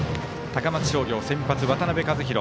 高松商業、先発、渡辺和大。